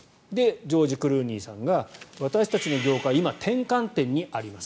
ジョージ・クルーニーさんが私たちの業界は今、転換点にあります。